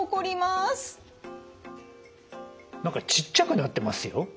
何かちっちゃくなってますよ。